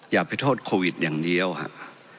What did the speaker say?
อย่าไปโทษโควิดอย่างเดียวครับ